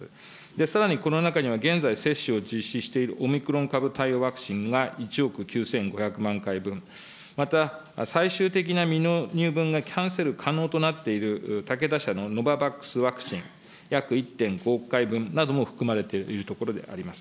さらにこの中には、現在接種を実施しているオミクロン株対応ワクチンが１億９５００万回分、また、最終的な未納分がキャンセル可能となっているたけだ社のノババックスワクチン、約１．５億回分なども含まれているところであります。